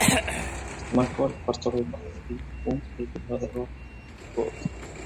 Esto marcó el cuarto reinado de Billy Gunn y el primero de Road Dogg.